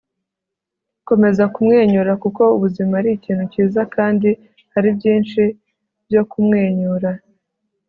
komeza kumwenyura kuko ubuzima ari ikintu cyiza kandi hari byinshi byo kumwenyura